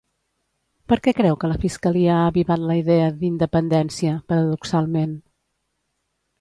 Per què creu que la fiscalia ha avivat la idea d'independència, paradoxalment?